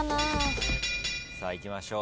さあいきましょう。